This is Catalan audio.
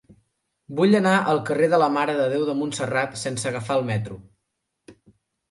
Vull anar al carrer de la Mare de Déu de Montserrat sense agafar el metro.